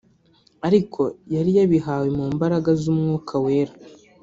ariko yari yabihawe mu mbaraga z’Umwuka Wera